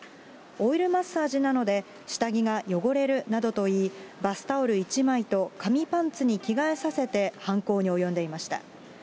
オイルマッサージなので、下着が汚れるなどと言い、バスタオル１枚と紙パンツに着替えさせて、犯行に及んでいました。